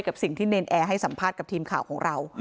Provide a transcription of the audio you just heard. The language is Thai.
กับสิ่งที่เนรนแอร์ให้สัมภาษณ์กับทีมข่าวของเรา